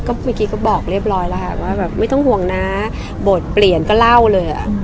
เมื่อกี้ก็บอกเรียบร้อยแล้วค่ะว่าแบบไม่ต้องห่วงนะบทเปลี่ยนก็เล่าเลยอ่ะ